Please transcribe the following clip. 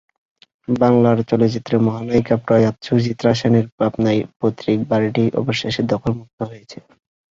বাংলা চলচ্চিত্রের মহানায়িকা প্রয়াত সুচিত্রা সেনের পাবনার পৈতৃক বাড়িটি অবশেষে দখলমুক্ত হয়েছে।